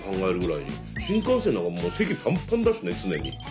新幹線なんかもう席ぱんぱんだしね常に。